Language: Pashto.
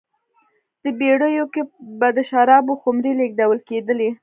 په بېړیو کې به د شرابو خُمرې لېږدول کېدلې